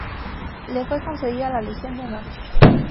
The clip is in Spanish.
Le fue concedida la Legión de honor.